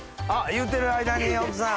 言うてる間に奥さん。